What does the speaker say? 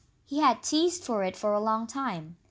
He had teased for it for a long time.